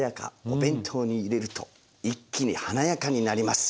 お弁当に入れると一気に華やかになります。